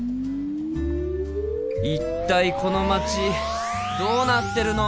一体この街どうなってるの！？